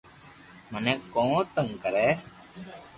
مني ڪون تنگ ڪري